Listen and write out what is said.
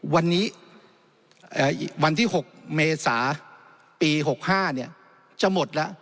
วันนี้วันที่๖เมษาปี๖๕จะหมดแล้ว